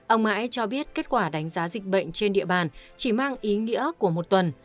ông mãi cho biết kết quả đánh giá dịch bệnh trên địa bàn chỉ mang ý nghĩa của một tuần